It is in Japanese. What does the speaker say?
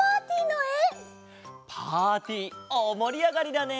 パーティーおおもりあがりだね！